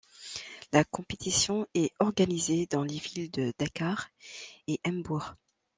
La compétition est organisée dans les villes de Dakar et Mbour.